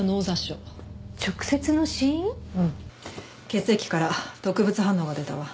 血液から毒物反応が出たわ。